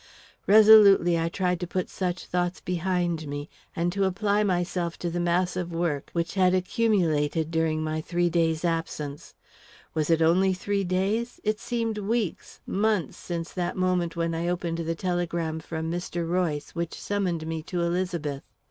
Resolutely I tried to put such thoughts behind me, and to apply myself to the mass of work which had accumulated during my three days' absence. Was it only three days? It seemed weeks, months, since that moment when I opened the telegram from Mr. Royce which summoned me to Elizabeth.